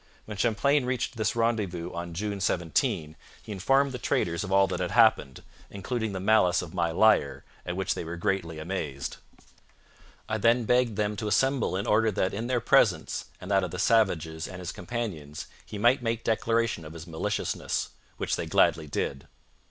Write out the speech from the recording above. When Champlain reached this rendezvous on June 17, he informed the traders of all that had happened, including the malice of my liar, at which they were greatly amazed. I then begged them to assemble in order that in their presence, and that of the savages and his companions, he might make declaration of his maliciousness; which they gladly did.